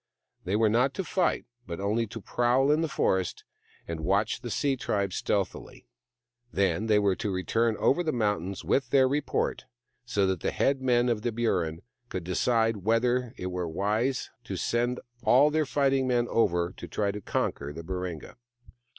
They were not to fight, but only to prowl in the forest and watch the sea tribe stealthily. Then they were to return over the mountains with their report, so that the head men of the Burrin could decide whether it were wise to send all their fighting men over to try and conquer the Baringa.